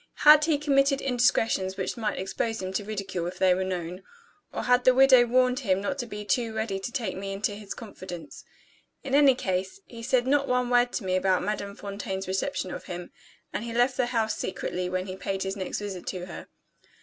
Had he committed indiscretions which might expose him to ridicule if they were known? Or had the widow warned him not to be too ready to take me into his confidence? In any case, he said not one word to me about Madame Fontaine's reception of him, and he left the house secretly when he paid his next visit to her.